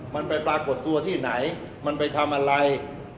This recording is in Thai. มันไปปรากฏตัวที่ไหนมันไปทำอะไร